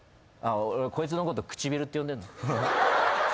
俺こいつのこと唇って呼んでんの。